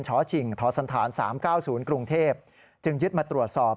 ชชิงทสันฐาน๓๙๐กรุงเทพจึงยึดมาตรวจสอบ